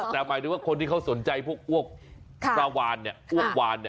แต่หมายถึงว่าคนที่เขาสนใจพวกอ้วกปลาวานอ้วกวาน